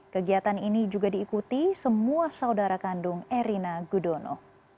kegiatan ini juga diikuti semua saudara kandung erina gudono